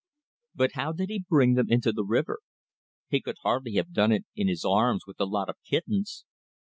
But how did he bring them into the river? He could hardly have done it in his arms like a lot of kittens.